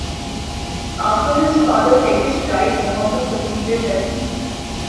After his father Tekish died, Muhammad succeeded him.